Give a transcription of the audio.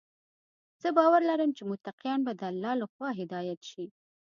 زه باور لرم چې متقیان به د الله لخوا هدايت شي.